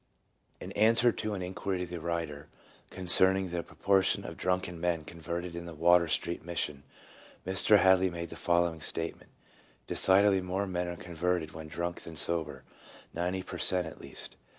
In answer to an inquiry of the writer, concerning the proportion of drunken men converted in the Water Street Mission, Mr. Hadley made the following state ment: — "Decidedly more men are converted when drunk than sober, ninety per cent, at least.